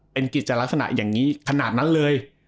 เป็นกิจลักษณะอย่างนี้ขนาดนั้นเลย